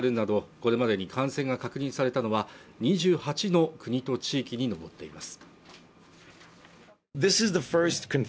これまでに感染が確認されたのは２８の国と地域に上っています